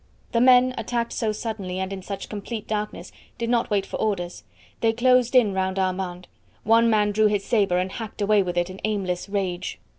The men, attacked so suddenly and in such complete darkness, did not wait for orders. They closed in round Armand; one man drew his sabre and hacked away with it in aimless rage.